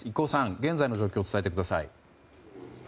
現在の状況を伝えてください。